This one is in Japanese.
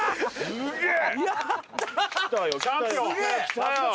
すげえ！